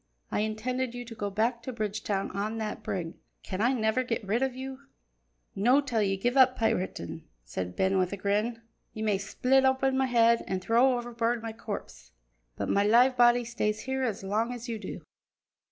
I intended you to go back to Bridgetown on that brig. Can I never get rid of you?" "No' till ye give up piratin'," said Ben with a grin. "Ye may split open my head, an' throw overboard my corpse, but my live body stays here as long as ye do."